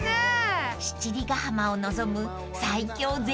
［七里ヶ浜を望む］